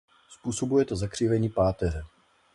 Způsobuje to zakřivení páteře.